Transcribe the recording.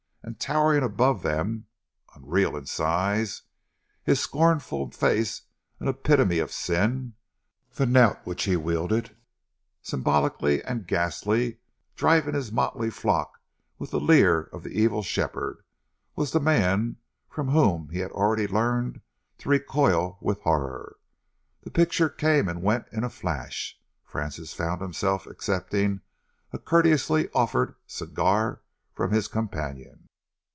And towering above them, unreal in size, his scornful face an epitome of sin, the knout which he wielded symbolical and ghastly, driving his motley flock with the leer of the evil shepherd, was the man from whom he had already learnt to recoil with horror. The picture came and went in a flash. Francis found himself accepting a courteously offered cigar from his companion.